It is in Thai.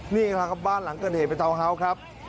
นี่ครับครับบ้านหลังเกิดเหตุเป็นเตาเฮ้าครับ